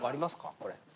これ。